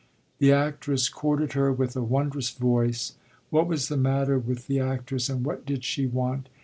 The actress courted her with a wondrous voice what was the matter with the actress and what did she want?